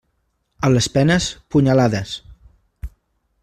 A les penes, punyalades.